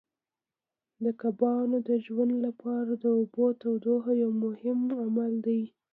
د کبانو د ژوند لپاره د اوبو تودوخه یو مهم عامل دی.